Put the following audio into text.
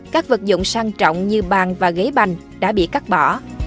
các vật dụng sang trọng như bàn và ghế bành đã bị cắt bỏ